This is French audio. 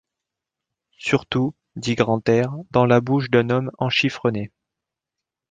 Surtout, dit Grantaire, dans la bouche d’un homme enchifrené.